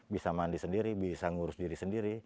bisa mandi sendiri bisa ngurus diri sendiri